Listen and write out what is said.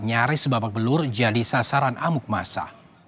nyaris babak belur jadi sasaran amuk masa